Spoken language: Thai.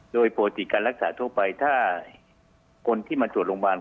โดยปกติการรักษาทั่วไปถ้าคนที่มาตรวจโรงพยาบาล